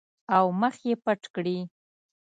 او مخ مې پټ کړي.